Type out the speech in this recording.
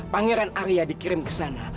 pangeran arya dikirim kesana